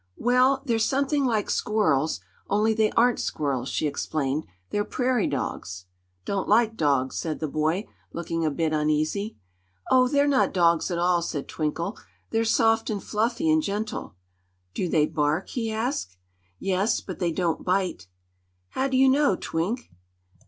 "Well, they're something like squirrels, only they aren't squirrels," she explained. "They're prairie dogs." "Don't like dogs," said the boy, looking a bit uneasy. "Oh, they're not dogs at all," said Twinkle; "they're soft and fluffy, and gentle." "Do they bark?" he asked. "Yes; but they don't bite." "How d' you know, Twink?"